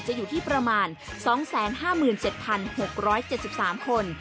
อยู่ที่ประมาณ๒๕๗๖๗๓คน